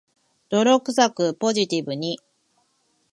泥臭く、ポジティブに